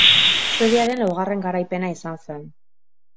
Suediaren laugarren garaipena izan zen.